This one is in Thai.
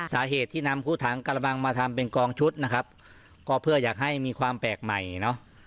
สาเหตุที่นำคู่ถังกระบังมาทำเป็นกองชุดนะครับก็เพื่ออยากให้มีความแปลกใหม่เนอะ